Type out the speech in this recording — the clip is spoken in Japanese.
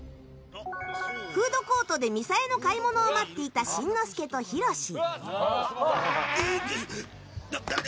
フードコートでみさえの買い物を待っていたしんのすけと、ひろし。